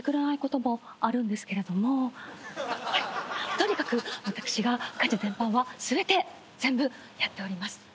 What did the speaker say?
とにかく私が家事全般は全て全部やっております。